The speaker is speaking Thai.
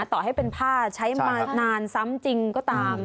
ต่อให้เป็นผ้าใช้มานานซ้ำจริงก็ตาม